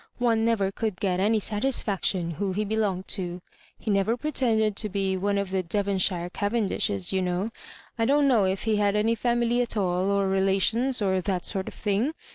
One never could get any satisfaction who he be longed ta He never pretended to be one of the Devonshire Cavendishes, you know. J don't know if he had any family at ail, or relations, or that sort of thing.